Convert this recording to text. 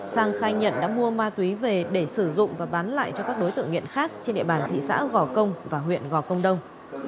sang khai nhận đã mua ma túy về để sử dụng và bán lại cho các đối tượng nghiện khác trên địa bàn thị xã gò công và huyện gò công đông